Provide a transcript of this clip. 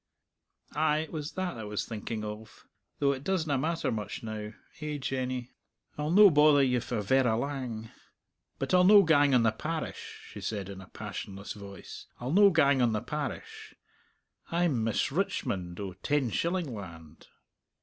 Ay, it was that I was thinking of; though it doesna matter much now eh, Jenny? I'll no bother you for verra lang. But I'll no gang on the parish," she said in a passionless voice, "I'll no gang on the parish. I'm Miss Richmond o' Tenshillingland."